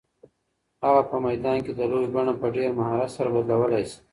هغه په میدان کې د لوبې بڼه په ډېر مهارت سره بدلولی شي.